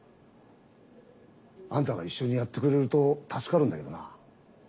アンタが一緒にやってくれると助かるんだけどな。